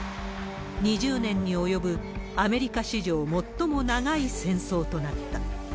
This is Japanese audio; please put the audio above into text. ２０年に及ぶアメリカ史上最も長い戦争となった。